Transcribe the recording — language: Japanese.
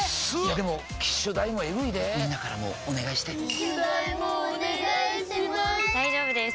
でも機種代もエグいでぇみんなからもお願いして機種代もお願いします